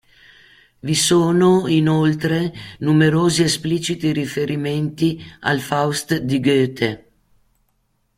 Vi sono, inoltre, numerosi espliciti riferimenti al "Faust" di Goethe.